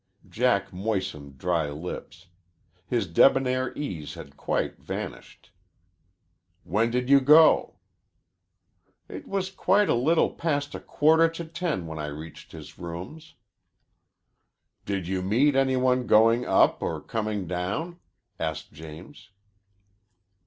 Jack moistened dry lips. His debonair ease had quite vanished. "When did you go?" "It was quite a little past a quarter to ten when I reached his rooms." "Did you meet any one going up or coming down?" asked James.